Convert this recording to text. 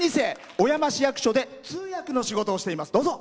小山市役所で通訳の仕事をしています。